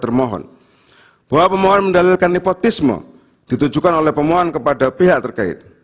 termohon bahwa pemohon mendalilkan nepotisme ditujukan oleh pemohon kepada pihak terkait